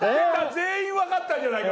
全員わかったんじゃないか？